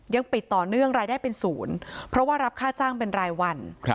ยังปิดต่อเนื่องรายได้เป็นศูนย์เพราะว่ารับค่าจ้างเป็นรายวัน